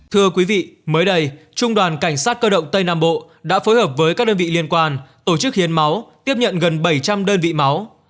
thưa quý vị mới đây trung đoàn cảnh sát cơ động tây nam bộ đã phối hợp với các đơn vị liên quan tổ chức hiến máu tiếp nhận gần bảy trăm linh đơn vị máu